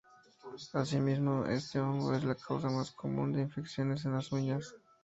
Así mismo este hongo es la causa más común de infecciones en las uñas.